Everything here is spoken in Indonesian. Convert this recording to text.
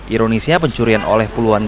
ironisnya pencurian oleh puluhan